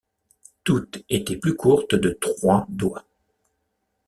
Toutes étaient plus courtes de trois doigts!